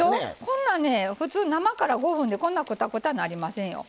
こんなね普通生から５分でこんなくたくたなりませんよ。